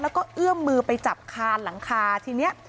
แล้วก็เอื้อมมือไปจับคานหลังคาทีนี้